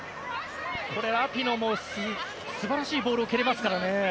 ラピノも素晴らしいボールを蹴りますからね。